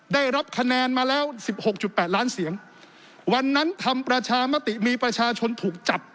ได้รับคะแนนมาแล้วสิบหกจุดแปดล้านเสียงวันนั้นทำประชามติมีประชาชนถูกจับ